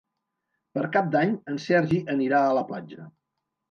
Per Cap d'Any en Sergi anirà a la platja.